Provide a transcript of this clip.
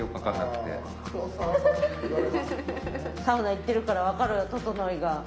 サウナ行ってるからわかる整いが。